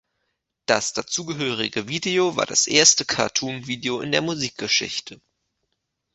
Das dazugehörige Video war das erste Cartoon-Video in der Musikgeschichte.